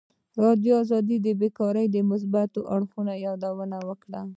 ازادي راډیو د بیکاري د مثبتو اړخونو یادونه کړې.